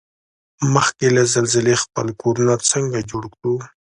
مخکې له زلزلې خپل کورنه څنګه جوړ کوړو؟